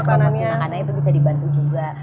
promosi makanan nya itu bisa dibantu juga